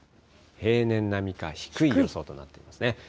平年並みか低い予想となっていますね。